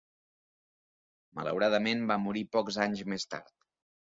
Malauradament, va morir pocs anys més tard.